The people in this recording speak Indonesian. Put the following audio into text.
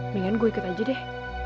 mendingan gue ikut aja deh